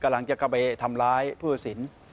กำลังจะเข้าไปทำร้ายผู้สิน